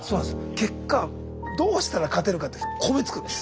結果どうしたら勝てるかっていうと米作るんです。